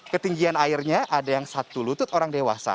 ketinggian airnya ada yang satu lutut orang dewasa